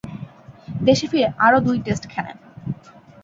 দেশে ফিরে আরও দুই টেস্ট খেলেন।